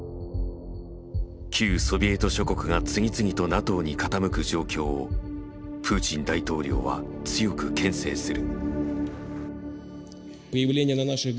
旧ソビエト諸国が次々とＮＡＴＯに傾く状況をプーチン大統領は強く牽制する。